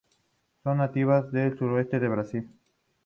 Son nativas del sudeste del Brasil.